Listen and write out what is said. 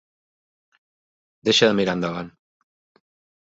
Deixa de mirar endavant.